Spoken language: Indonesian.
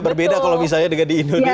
berbeda kalau misalnya di indonesia ya